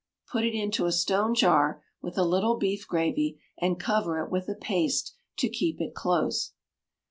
Put it into a stone jar with a little beef gravy, and cover it with a paste to keep it close.